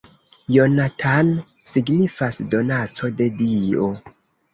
Jonathan signifas 'donaco de dio'.